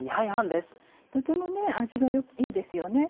とてもね味がいいですよね。